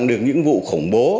được những vụ khủng bố